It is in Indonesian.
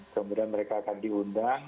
kemudian mereka akan diundang